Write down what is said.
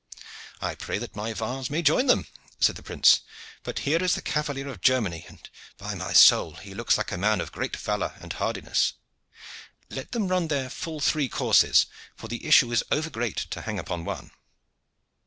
"I pray that my vase may join them," said the prince. "But here is the cavalier of Germany, and by my soul! he looks like a man of great valor and hardiness. Let them run their full three courses, for the issue is over great to hang upon one."